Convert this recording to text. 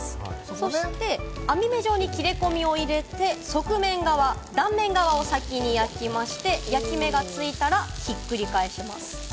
そして網目状に切り込みを入れて、側面側、断面側を先に焼いて、焼き目がついたらひっくり返します。